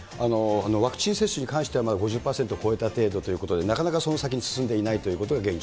ワクチン接種に関しては、５０％超えた程度ということで、なかなかその先に進んでいないということが現状。